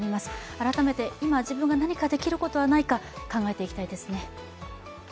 改めて今自分が何かできることはないか考えていきたいですね。